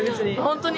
本当に？